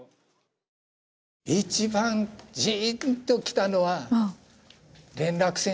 一番じんときたのは連絡船